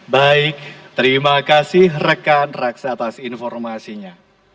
baik terima kasih rekan raksa atas informasinya